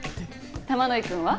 玉乃井くんは？